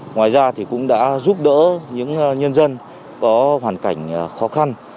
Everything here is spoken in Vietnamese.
ngoài ra thì cũng đã giúp đỡ những nhân dân có hoàn cảnh khó khăn